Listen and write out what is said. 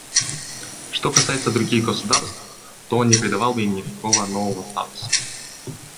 Что касается других государств, то он не придавал бы им никакого нового статуса.